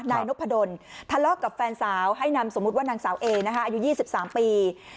นายนพดลทะเลาะกับแฟนสาวให้นำสมมุติว่านางสาวเอนะคะอายุ๒๓ปี